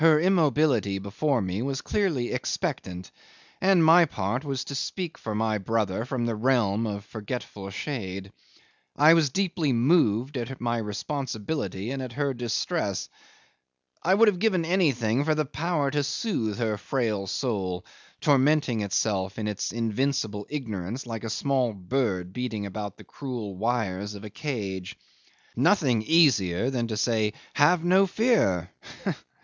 'Her immobility before me was clearly expectant, and my part was to speak for my brother from the realm of forgetful shade. I was deeply moved at my responsibility and at her distress. I would have given anything for the power to soothe her frail soul, tormenting itself in its invincible ignorance like a small bird beating about the cruel wires of a cage. Nothing easier than to say, Have no fear!